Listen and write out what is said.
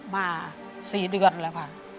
มา๔เดือนแล้วค่ะ